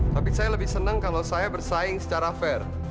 tapi saya lebih senang kalau saya bersaing secara fair